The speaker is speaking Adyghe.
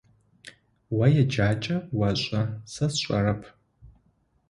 О еджакӏэ ошӏэ, сэ сшӏэрэп.